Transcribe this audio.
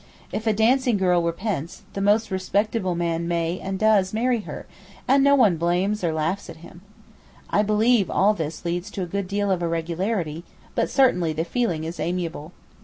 If a dancing girl repents, the most respectable man may and does marry her, and no one blames or laughs at him. I believe all this leads to a good deal of irregularity, but certainly the feeling is amiable.